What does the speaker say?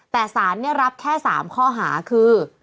แต่สารรับแค่๓ข้อหาคือ